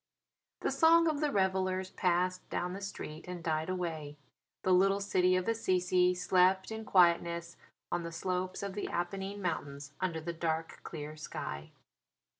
The song of the revellers passed down the street and died away. The little city of Assisi slept in quietness on the slopes of the Apennine Mountains under the dark clear sky.